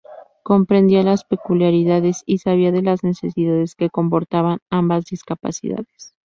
Comprendía las peculiaridades y sabía de las necesidades que comportaban ambas discapacidades.